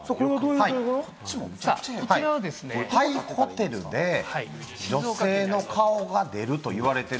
こちらは廃ホテルで、女性の顔が出るといわれている。